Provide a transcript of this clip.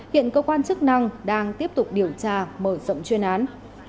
hiện cơ quan chức năng đang tiếp tục điều tra mở rộng chuyên án